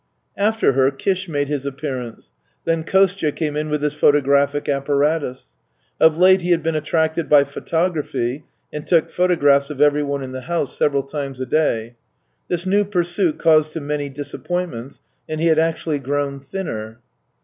After her, Kish made his appearance. Then Kostya came in with his photographic apparatus. Of late he had been attracted by photography and took photographs of everyone in the house several times a day. This new pursuit caused him many disappointments, and he had actually grown thinner.